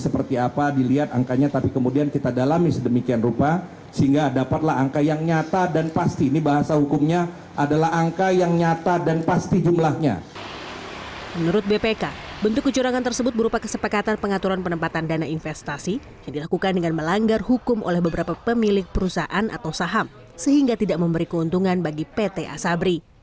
menurut bpk bentuk kecurangan tersebut berupa kesepakatan pengaturan penempatan dana investasi yang dilakukan dengan melanggar hukum oleh beberapa pemilik perusahaan atau saham sehingga tidak memberi keuntungan bagi pt asabri